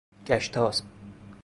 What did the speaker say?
گشتاسپ